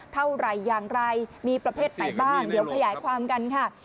เท่าไหร่อย่างไรมีประเภทไหนบ้างเดี๋ยวขยายความกันค่ะ